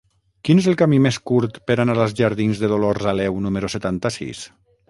Quin és el camí més curt per anar als jardins de Dolors Aleu número setanta-sis?